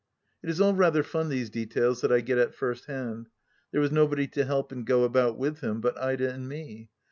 ... It is all rather fun, these details that I get at first hand. There was nobody to help and go about with him but Ida and me.